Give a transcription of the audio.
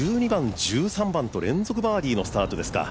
１２番、１３番と連続バーディースタートですか。